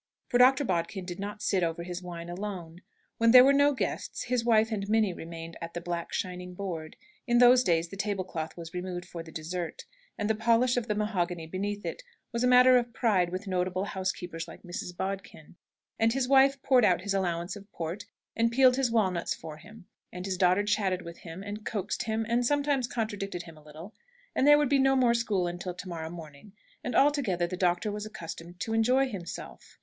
For Dr. Bodkin did not sit over his wine alone. When there were no guests, his wife and Minnie remained at the black shining board in those days the table cloth was removed for the dessert, and the polish of the mahogany beneath it was a matter of pride with notable housekeepers like Mrs. Bodkin and his wife poured out his allowance of port and peeled his walnuts for him, and his daughter chatted with him, and coaxed him, and sometimes contradicted him a little, and there would be no more school until to morrow morning, and altogether the doctor was accustomed to enjoy himself.